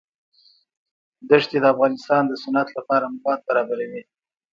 دښتې د افغانستان د صنعت لپاره مواد برابروي.